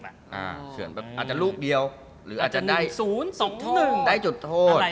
อาจจะลูกเดียวหรืออาจจะได้จุดโทษ